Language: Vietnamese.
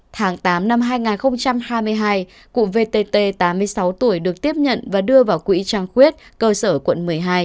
tháng tám năm hai nghìn hai mươi hai cụ vtt tám mươi sáu tuổi được tiếp nhận và đưa vào quỹ trang khuyết cơ sở quận một mươi hai